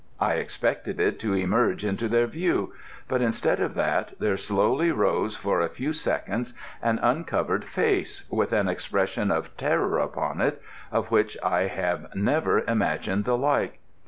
I expected it to emerge into their view, but instead of that there slowly rose for a few seconds an uncovered face, with an expression of terror upon it, of which I have never imagined the like.